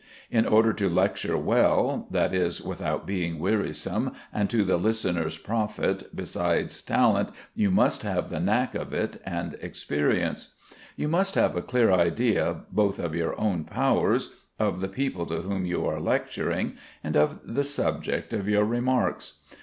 In order to lecture well, that is without being wearisome and to the listener's profit, besides talent you must have the knack of it and experience; you must have a clear idea both of your own powers, of the people to whom you are lecturing, and of the subject of your remarks.